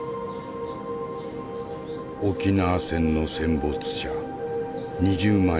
沖縄戦の戦没者２０万